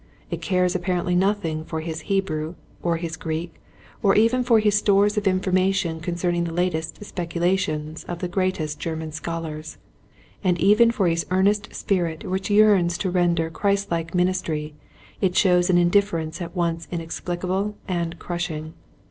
It cares apparently nothing for his Hebrew or his Greek or even for his stores of information concern ing the latest speculations of the greatest German scholars. And even for his earnest spirit which yearns to render Christ like ministry it shows an indifference at once inexplicable and crushing.